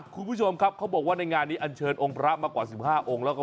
คุณผู้ชมครับเขาบอกว่าในงานนี้อันเชิญองค์พระมากว่า๑๕องค์แล้วก็